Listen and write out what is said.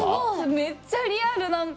めっちゃリアル何か。